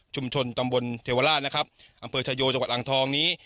ชุมชนตำบลเทวราชอำเภอชายโยจังหวัดอ่างทองนี้